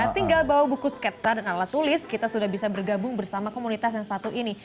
tinggal bawa buku sketsa dan alat tulis kita sudah bisa bergabung bersama komunitas yang satu ini